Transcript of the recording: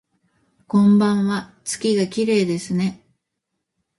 こんばんわ、月がきれいですね